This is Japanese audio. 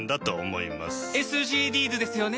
ＳＧＤｓですよね。